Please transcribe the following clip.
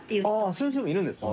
そういう人もいるんですか？